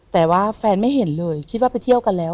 แต่ว่าแฟนไม่เห็นเลยคิดว่าไปเที่ยวกันแล้ว